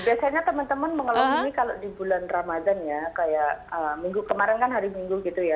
biasanya teman teman mengalami kalau di bulan ramadan ya kayak minggu kemarin kan hari minggu gitu ya